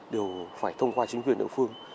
đều phải thông qua chính quyền đội phương